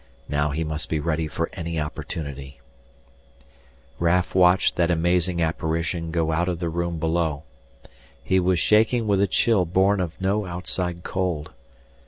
Now he must be ready for any opportunity Raf watched that amazing apparition go out of the room below. He was shaking with a chill born of no outside cold.